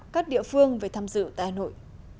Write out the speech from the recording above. các địa phương về tham dự tại hà nội